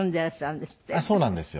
そうなんですよ。